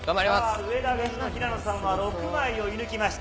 上田軍の平野さんは６枚を射抜きました。